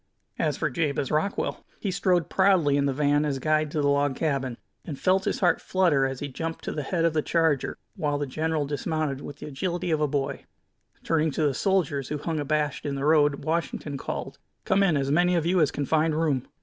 As for Jabez Rockwell, he strode proudly in the van as guide to the log cabin, and felt his heart flutter as he jumped to the head of the charger, while the general dismounted with the agility of a boy. Turning to the soldiers, who hung abashed in the road, Washington called: "Come in, as many of you as can find room!"